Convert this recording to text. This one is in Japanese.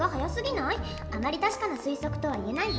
あまり確かな推測とはいえないわ。